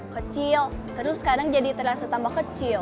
kecil terus sekarang jadi terasa tambah kecil